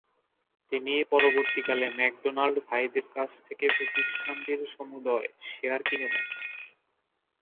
তিনি পরবর্তীকালে ম্যাকডোনাল্ড ভাইদের কাছ থেকে প্রতিষ্ঠানটির সমূদয় শেয়ার কিনে নেন।